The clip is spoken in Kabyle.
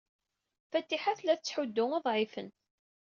Fatiḥa tella tettḥuddu uḍɛifen.